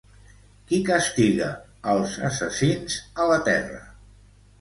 Qui castiga als assassins a la Terra?